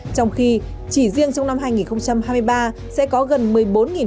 trong khi chỉ riêng trong năm hai nghìn hai mươi ba sẽ có gần một mươi bốn